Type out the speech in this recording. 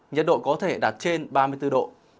nhiệt độ có thể đạt trên ba mươi bốn độ